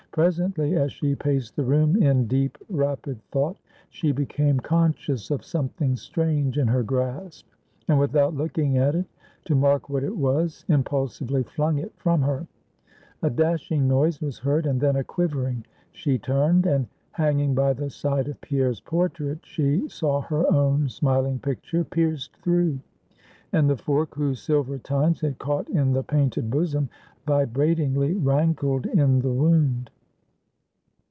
Presently, as she paced the room in deep, rapid thought, she became conscious of something strange in her grasp, and without looking at it, to mark what it was, impulsively flung it from her. A dashing noise was heard, and then a quivering. She turned; and hanging by the side of Pierre's portrait, she saw her own smiling picture pierced through, and the fork, whose silver tines had caught in the painted bosom, vibratingly rankled in the wound.